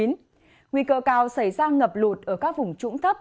nguy cơ cao xảy ra ngập lụt ở các vùng trũng thấp